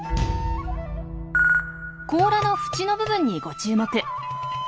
甲羅の縁の部分にご注目。